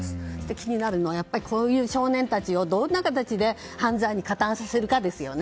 気になるのはこういう少年たちをどんな形で犯罪に加担させるかですよね。